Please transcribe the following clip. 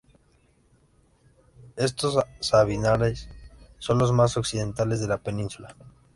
Estos sabinares son los más occidentales de la península.